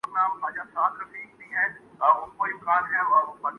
اب شویتا بچن نندا نے اپنی